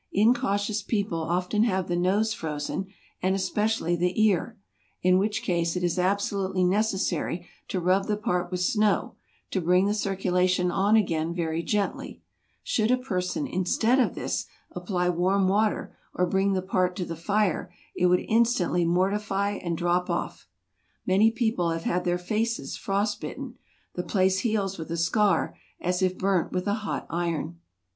Incautious people often have the nose frozen, and especially the ear: in which case it is ab¬ solutely necessary to rub the part with snow, to bring the circulation on again very gently: should a person, instead of this, apply warm water, or bring the part to the fire, it would in* stantly mortify and drop off. Many people have had their faces frost bitten; the place heals with a scar, as if burnt with a hot iron.